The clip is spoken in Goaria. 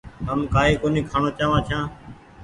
هم ڪآئي ڪونيٚ کآڻو چآوآن ڇآن۔